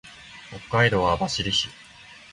北海道網走市